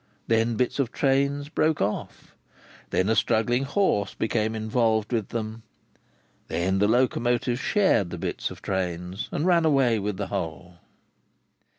Then, bits of trains broke off. Then, a struggling horse became involved with them. Then, the locomotives shared the bits of trains, and ran away with the whole.